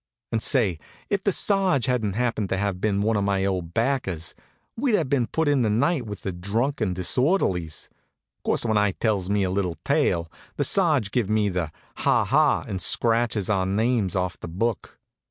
And say, if the Sarge hadn't happened to have been one of my old backers, we'd have put in the night with the drunk and disorderlies. Course, when I tells me little tale, the Sarge give me the ha ha and scratches our names off the book.